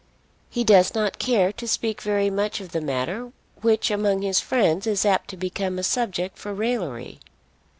He does not care to speak very much of the matter which among his friends is apt to become a subject for raillery.